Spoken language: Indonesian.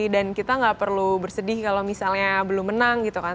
dan kita gak perlu bersedih kalau misalnya belum menang gitu kan